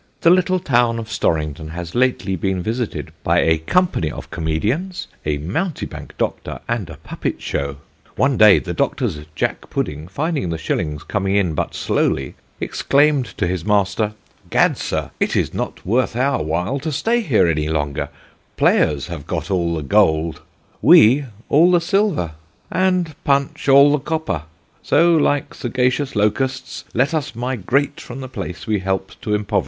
The little town of Storrington has lately been visited by a Company of Comedians, a Mountebank Doctor, and a Puppet Show. One day the Doctor's Jack Pudding finding the shillings come in but slowly, exclaimed to his Master, 'Gad, Sir, it is not worth our while to stay here any longer, players have got all the gold, we all the silver, and Punch all the copper, so, like sagacious locusts, let us migrate from the place we helped to impoverish."